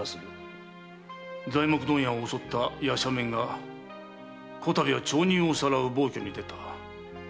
材木問屋を襲った夜叉面が此度は町人をさらう暴挙に出た。